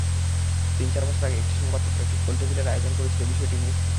তিন–চার বছর আগে একটি সংবাদপত্র একটি গোলটেবিলের আয়োজন করেছিল বিষয়টি নিয়ে।